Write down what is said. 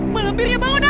malam birnya bangunan